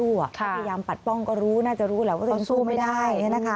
พยายามปัดป้องก็รู้น่าจะรู้แหละว่าตัวเองสู้ไม่ได้